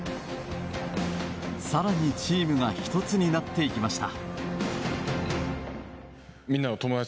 更にチームが１つになっていきました。